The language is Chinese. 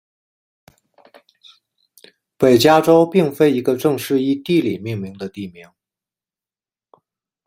北加州并非一个正式依地理命名的地名。